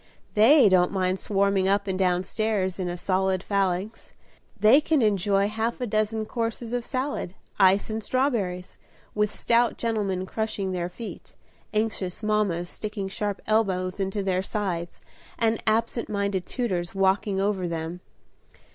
They don't mind swarming up and down stairs in a solid phalanx; they can enjoy half a dozen courses of salad, ice and strawberries, with stout gentlemen crushing their feet, anxious mammas sticking sharp elbows into their sides, and absent minded tutors walking over them.